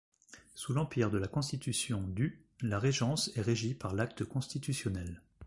Sous l'empire de la Constitution du, la régence est régie par l'acte constitutionnel.